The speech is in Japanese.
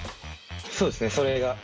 そうですねそれが結構。